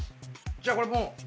じゃあこれもう。